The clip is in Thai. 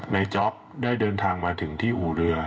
จ๊อปได้เดินทางมาถึงที่อู่เรือ